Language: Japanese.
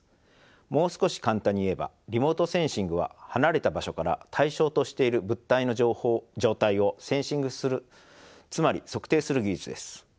もう少し簡単に言えばリモートセンシングは離れた場所から対象としている物体の状態をセンシングするつまり測定する技術です。